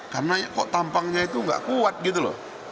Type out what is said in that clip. karena kok tampangnya itu tidak kuat gitu loh